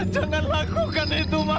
jangan lakukan itu ma